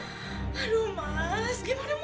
aduh mas gimana mau diteran sih